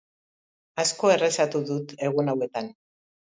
Asko errezatu dut egun hauetan.